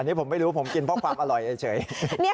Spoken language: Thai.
อันนี้ผมไม่รู้ผมกินเพราะความอร่อยเฉย